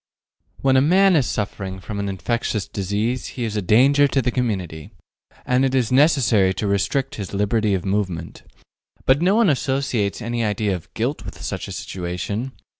When a man is suffering from an infectious disease he is a danger to the community, and it is necessary to restrict his liberty of movement. But no one associates any idea of guilt with such a situation.